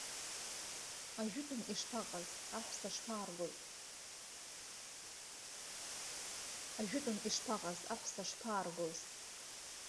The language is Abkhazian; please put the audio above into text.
Ажәытәан ишԥаҟаз, аҳәса шԥааргоз?